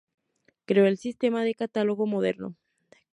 Creó el sistema de catálogo moderno.